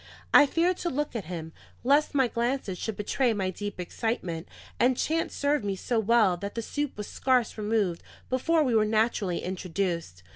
I feared to look at him, lest my glances should betray my deep excitement, and chance served me so well that the soup was scarce removed before we were naturally introduced.